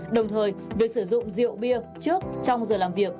đồng thời việc sử dụng rượu bia trước trong giờ làm việc